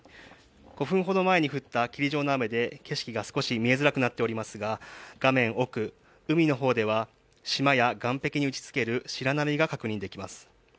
５分ほど前に降った霧状の雨で景色が見えづらくなっていますが画面奥、海の方では島や岸壁に打ちつける白波が確認できます。